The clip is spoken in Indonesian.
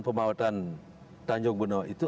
pemawatan tanjung benoa itu